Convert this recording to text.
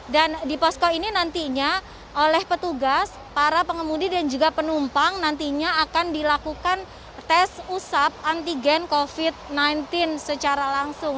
dan di posko ini nantinya oleh petugas para pengemudi dan juga penumpang nantinya akan dilakukan tes usap antigen covid sembilan belas secara langsung